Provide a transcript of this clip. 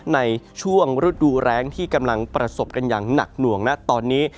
ในช่วงฤดูแรงที่กำลังประสบกันอย่างหนักหน่วงนะตอนนี้